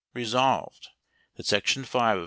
1 Resolved, That section 5 of S.